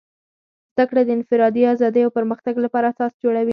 زدهکړه د انفرادي ازادۍ او پرمختګ لپاره اساس جوړوي.